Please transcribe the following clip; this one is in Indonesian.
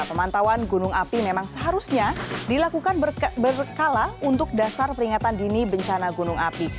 pemantauan gunung api memang seharusnya dilakukan berkala untuk dasar peringatan dini bencana gunung api